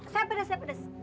saya pedas saya pedas